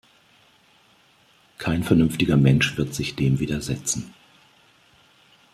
Kein vernünftiger Mensch wird sich dem widersetzen.